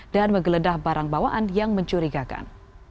dan menggeledah barang bawaan yang mencurigakan